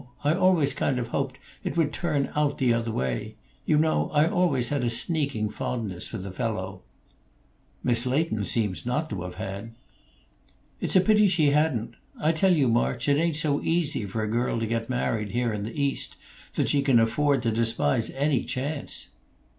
I always kind of hoped it would turn out the other way. You know I always had a sneaking fondness for the fellow." "Miss Leighton seems not to have had." "It's a pity she hadn't. I tell you, March, it ain't so easy for a girl to get married, here in the East, that she can afford to despise any chance."